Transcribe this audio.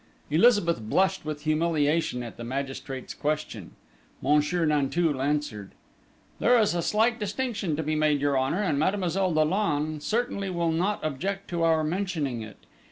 Elizabeth blushed with humiliation at the magistrate's question. Monsieur Nanteuil answered: "There is a slight distinction to be made, your Honour, and Mademoiselle Dollon certainly will not object to our mentioning it.